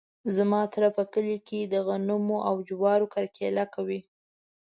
زما تره په کلي کې د غنمو او جوارو کرکیله کوي.